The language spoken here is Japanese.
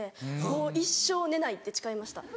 もう一生寝ないって誓いました。